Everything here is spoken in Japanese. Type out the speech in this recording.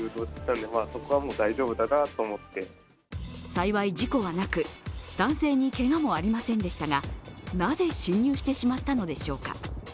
幸い事故はなく、男性にけがもありませんでしたが、なぜ、侵入してしまったのでしょうか。